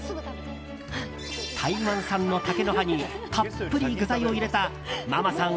台湾産の竹の葉にたっぷり具材を入れたママさん